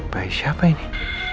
baik siapa ini